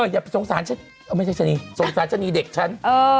อย่าไปสงสารฉันไม่ใช่ชะนีสงสารชะนีเด็กฉัน